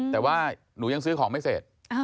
แต่ว่าหนูยังซื้อของไม่เสร็จ